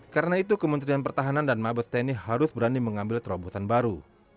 karena itu kementerian pertahanan dan mabes tni harus berani mengambil terobosan baru